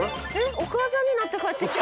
お母さんになって帰ってきた。